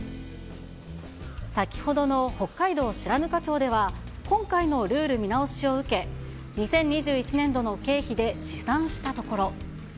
先ほどの北海道白糠町では、今回のルール見直しを受け、２０２１年度の経費で試算したところ。